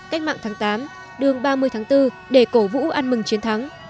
cách mạng tháng tám đường ba mươi tháng bốn để cổ vũ ăn mừng chiến thắng